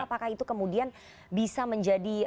apakah itu kemudian bisa menjadi